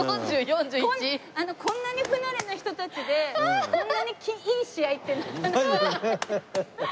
こんなに不慣れな人たちでこんなにいい試合ってなかなか。ないよね。